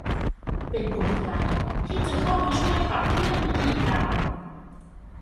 เป็นกลไกที่จะเข้ามาช่วยขับเคลื่อนวิธีการ